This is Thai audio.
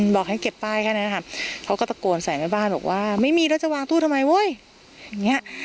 บอกให้เก็บป้ายแค่นั้นค่ะเขาก็ตะโกนใส่แม่บ้านบอกว่าไม่มีแล้วจะวางตู้ทำไมเว้ยอย่างเงี้ย